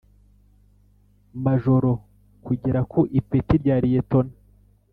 Majoro kugera ku ipeti rya Liyetona